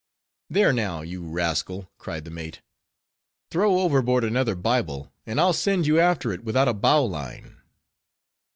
"There now, you rascal," cried the mate, "throw overboard another Bible, and I'll send you after it without a bowline."